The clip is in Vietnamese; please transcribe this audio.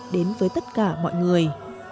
đến với tất cả mọi người